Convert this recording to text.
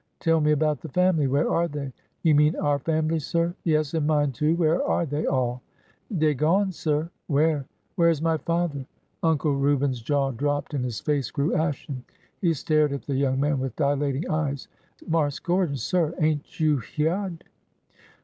"Tell me about the family! Where are they?" " You mean our fambly, sir? "" Yes, and mine, too. Where are they all? "" Dey gone, sir !"" Where ? Where is my father ?" 334 ORDER NO. 11 Uncle Reuben's jaw dropped and his face grew ashen. He stared at the young man with dilating eyes. Marse Gordon, sir ! ain't you hyeahed